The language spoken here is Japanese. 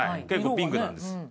結構ピンクなんです。